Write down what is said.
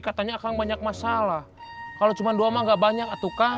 kayaknya ini bingung sama akunya kan